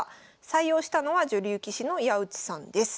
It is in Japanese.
採用したのは女流棋士の矢内さんです。